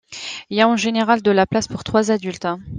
Il y a en général de la place pour trois adultes.